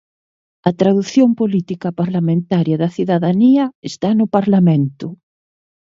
A tradución política parlamentaria da cidadanía está no Parlamento.